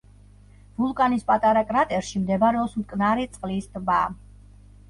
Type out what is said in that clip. ვულკანის პატარა კრატერში მდებარეობს მტკნარი წყლის ტბა.